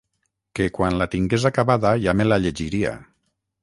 Que quan la tingués acabada ja me la llegiria.